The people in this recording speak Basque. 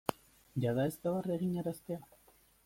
Jada ez da barre eginaraztea?